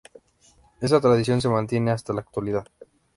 Esta tradición se mantiene hasta la actualidad.